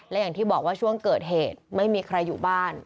และอย่างที่บอกว่าช่วงเกิดเหตุไม่มีใครอยู่บ้าน